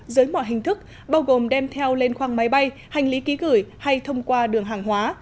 dưới mọi hình thức bao gồm đem theo lên khoang máy bay hành lý ký gửi hay thông qua đường hàng hóa